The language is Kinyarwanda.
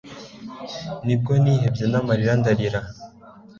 nubwo nihebye n'amarira ndarira